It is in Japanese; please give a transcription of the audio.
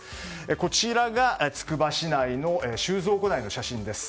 こちらが、つくば市内の収蔵庫内の写真です。